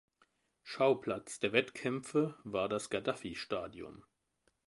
Schauplatz der Wettkämpfe war das Gaddafi Stadium.